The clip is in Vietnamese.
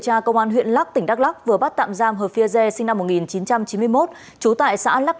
tra công an huyện lắc tỉnh đắk lắk vừa bắt tạm giam hợp phia re sinh năm một nghìn chín trăm chín mươi một trú tại xã lắk